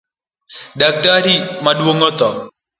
Daktari maduong otho